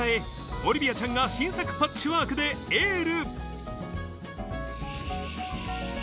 オリビアちゃんが新作パッチワークでエール。